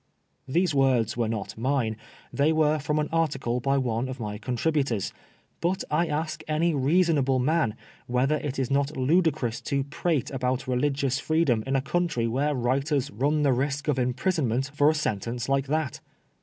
Those words were not mine ; they were from an article by one of my contributors ; but I ask any reasonable man whether it is not ludicrous to prate about religious freedom in a country where writers run the risk of im prisonment for a sentence like that